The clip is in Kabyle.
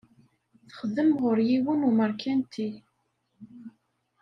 Texdem ɣur yiwen umeṛkanti.